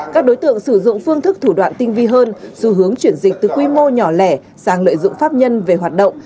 các đối tượng sử dụng phương thức thủ đoạn tinh vi hơn xu hướng chuyển dịch từ quy mô nhỏ lẻ sang lợi dụng pháp nhân về hoạt động